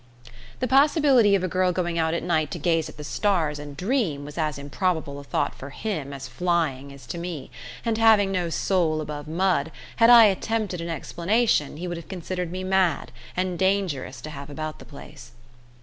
The possibility of a girl going out at night to gaze at the stars and dream was as improbable a thought for him as flying is to me, and having no soul above mud, had I attempted an explanation he would have considered me mad, and dangerous to have about the place.